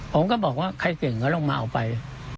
ผมก็บอกว่าใครเก่งก็ลงมาเอาไป